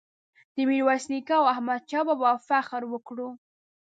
د میرویس نیکه او احمد شاه بابا فخر وکړو.